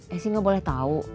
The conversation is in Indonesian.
esy gak boleh tau